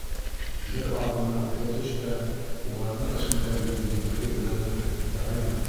Бер аҙ ғына үҫә төш тә уларҙың эшмәкәрлеген ентекле өйрәнербеҙ, яраймы?